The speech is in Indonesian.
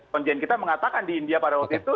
konjen kita mengatakan di india pada waktu itu